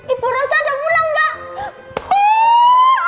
ibu rosa udah pulang gak